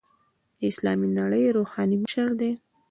د اسلامي نړۍ روحاني مشر دی.